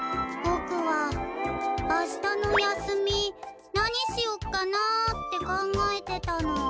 ボクはあしたの休み何しよっかなって考えてたの。